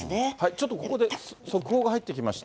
ちょっとここで速報が入ってきました。